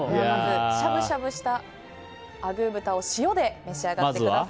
しゃぶしゃぶしたあぐー豚を塩で召し上がってください。